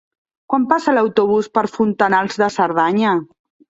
Quan passa l'autobús per Fontanals de Cerdanya?